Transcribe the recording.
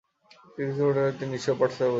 তৃতীয় শ্রেণিতে উঠে তিনি ঈশ্বর পাঠশালায় ভর্তি হন।